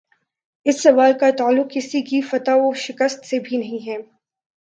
اس سوال کا تعلق کسی کی فتح و شکست سے بھی نہیں ہے۔